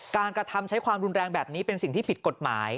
กระทำใช้ความรุนแรงแบบนี้เป็นสิ่งที่ผิดกฎหมาย